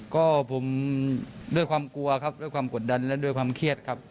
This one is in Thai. ก็ผมด้วยความกลัวครับด้วยความกดดันและด้วยความเครียดครับ